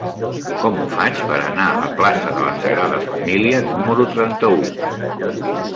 Com ho faig per anar a la plaça de la Sagrada Família número trenta-u?